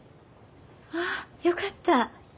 ああよかった！